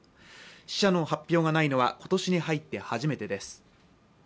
死者の発表がないのは今年に入って初めてです。